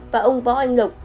và ông võ anh lộc